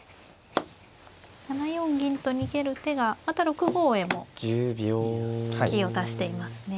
７四銀と逃げる手がまた６五へも利きを足していますね。